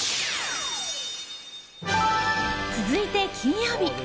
続いて、金曜日。